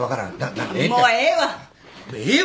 もうええわ。